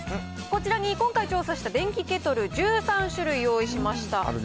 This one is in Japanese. こちらに今回調査した電気ケトル１３種類、用意しました。